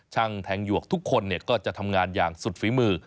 แทงแทงหยวกทุกคนก็จะทำงานอย่างสุดฝีมือ